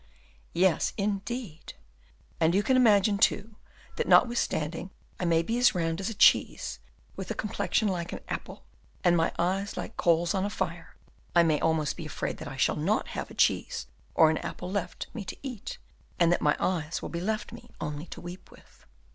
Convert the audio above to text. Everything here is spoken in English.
"Yes, indeed!" "And you can imagine, too, that notwithstanding I may be as round as a cheese, with a complexion like an apple, and my eyes like coals on fire, I may almost be afraid that I shall not have a cheese or an apple left me to eat, and that my eyes will be left me only to weep with."